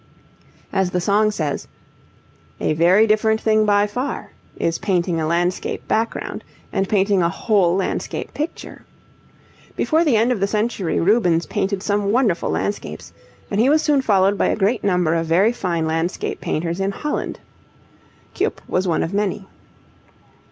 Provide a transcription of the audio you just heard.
As the song says, 'a very different thing by far' is painting a landscape background and painting a whole landscape picture. Before the end of the century Rubens painted some wonderful landscapes, and he was soon followed by a great number of very fine landscape painters in Holland. Cuyp was one of many.